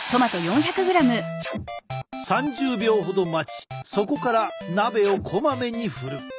３０秒ほど待ちそこから鍋をこまめに振る。